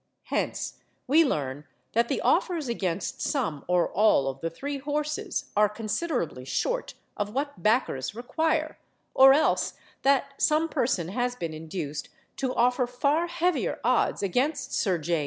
Hence, we learn that the offers against some or all of the three horses are considerably short of what backers require; or else that some person has been induced to offer far heavier odds against Sir J.